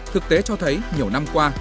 thực tế cho thấy nhiều năm qua